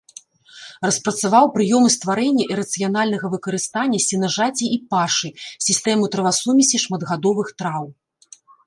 Распрацаваў прыёмы стварэння і рацыянальнага выкарыстання сенажацей і пашы, сістэму травасумесей шматгадовых траў.